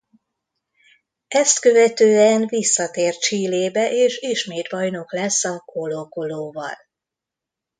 Ezt követően visszatér Chilébe és ismét bajnok lesz a Colo-Colo-val.